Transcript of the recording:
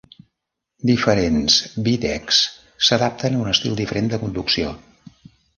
Diferents bidecks s'adapten a un estil diferent de conducció.